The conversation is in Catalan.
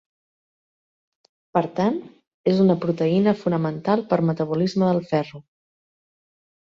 Per tant, és una proteïna fonamental pel metabolisme del ferro.